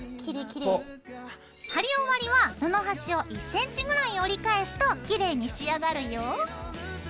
貼り終わりは布端を１ｃｍぐらい折り返すときれいに仕上がるよ。